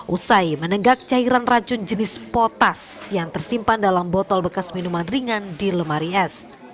usai menenggak cairan racun jenis potas yang tersimpan dalam botol bekas minuman ringan di lemari es